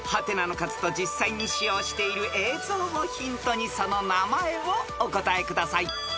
［「？」の数と実際に使用している映像をヒントにその名前をお答えください］